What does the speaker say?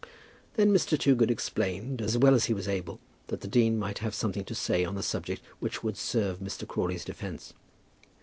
Then Mr. Toogood explained as well as he was able that the dean might have something to say on the subject which would serve Mr. Crawley's defence.